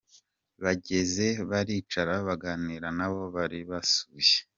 Bagezeye baricara baganira n'abo bari basuye.